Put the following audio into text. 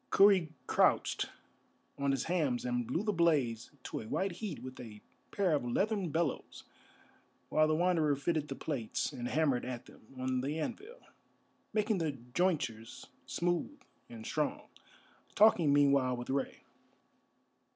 Kurri crouched on his hams and blew the blaze to a white heat with a pair of leathern bellows, while the Wanderer fitted the plates and hammered at them on the anvil, making the jointures smooth and strong, talking meanwhile with Rei.